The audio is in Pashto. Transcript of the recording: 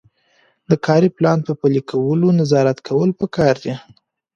د کاري پلان په پلي کولو نظارت کول پکار دي.